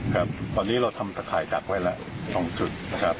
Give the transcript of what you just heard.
ตอนนี้เราทำสะขายกักไว้ละศักดีในตรงจุด